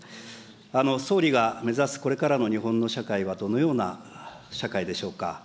総理が目指す、これからの日本の社会はどのような社会でしょうか。